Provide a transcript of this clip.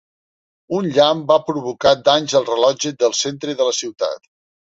Un llamp va provocar danys al rellotge del centre de la ciutat.